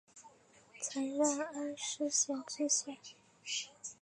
曾任恩施县知县。